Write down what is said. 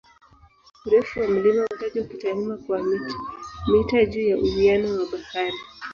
Urefu wa mlima hutajwa kitaalamu kwa "mita juu ya uwiano wa bahari".